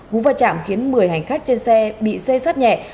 cú vào trạm khiến một mươi hành khách trên xe bị xê sắt nhẹ